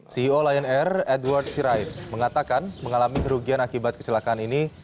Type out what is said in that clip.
ceo lion air edward sirait mengatakan mengalami kerugian akibat kecelakaan ini